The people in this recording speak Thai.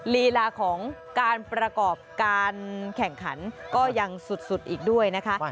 ลีลาของการประกอบการแข่งขันก็ยังสุดอีกด้วยนะคะ